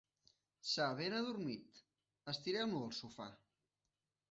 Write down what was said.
S'ha ben adormit: estirem-lo al sofà.